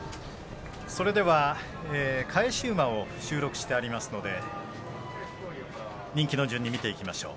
それでは、返し馬を収録してありますので人気の順に見ていきましょう。